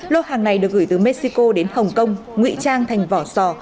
lô hàng này được gửi từ mexico đến hồng kông ngụy trang thành vỏ sò